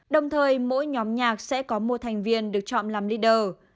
đồng thời mỗi nhóm nhạc sẽ có một thành viên được chọn làm lider